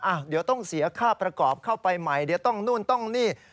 เดี๋ยวต้องเสียค่าประกอบเข้าไปใหม่เดี๋ยวต้องนู่นต้องนี่